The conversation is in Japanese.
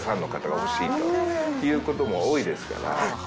ということも多いですから。